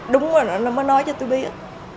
đúng rồi nó mới nói cho tụi biết